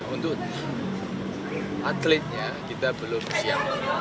untuk atletnya kita belum siap